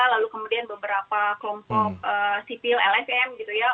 lalu kemudian beberapa kelompok sipil lsm gitu ya